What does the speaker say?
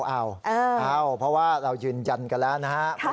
เอาเพราะว่าเรายืนยันกันแล้วนะครับ